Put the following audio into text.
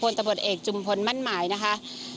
ข้อเกล่าหาพลตำรวจเอกจุมพลมั่นหมายนะคะ